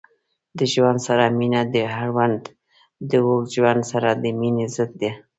د ژوند سره مینه د اوږد ژوند سره د مینې ضد ده.